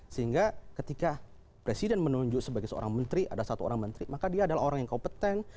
sehingga ketika presiden menunjuk sebagai seorang menteri ada satu orang menteri maka dia adalah orang yang kompeten